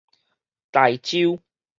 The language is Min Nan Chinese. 台州